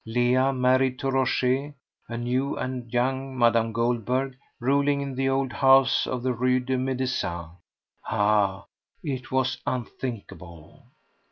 Leah married to Rochez; a new and young Mme. Goldberg ruling in the old house of the Rue des Médecins! Ah, it was unthinkable!